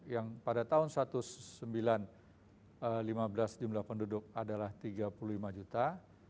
yang pada tahun seribu sembilan ratus lima belas jumlah penduduk adalah tiga puluh lima juta